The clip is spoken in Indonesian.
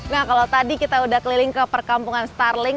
nah kalau tadi kita udah keliling ke perkampungan starling